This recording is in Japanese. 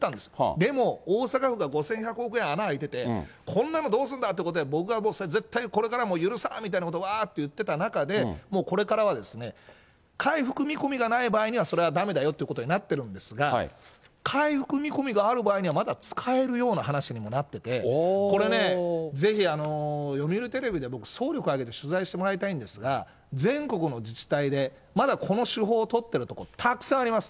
でも大阪府が５１００億円穴開いてて、こんなのどうすんだってことで、僕が絶対これは許さんみたいなことをわっていってた中で、もうこれからは、回復見込みがない場合には、それはだめだよということになってるんですが、回復見込みがある場合には、まだ使えるような話にもなってて、これぜひ、読売テレビで、僕、総力上げて取材してもらいたいんですが、全国の自治体でまだこの手法を取っているところ、たくさんあります。